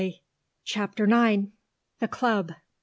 CHAPTER IX. THE CLUB.